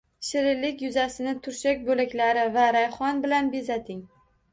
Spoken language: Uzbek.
Shirinlik yuzasini turshak bo‘laklari va rayhon bilan bezating